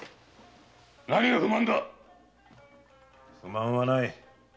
何が不満だ⁉不満はない。